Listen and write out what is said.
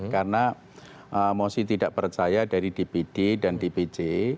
karena mosi tidak percaya dari dpd dan dpd dpd